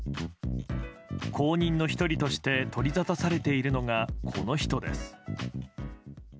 後任の１人として取り沙汰されているのがこの人です。